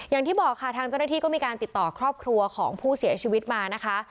อย่างที่บอกค่ะทางเจ้าหน้าที่ก็มีการติดต่อครอบครัวของผู้เสียชีวิตมานะคะ